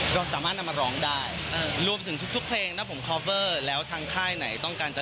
ใช่ครับวันนี้ผมก็ร้องครับ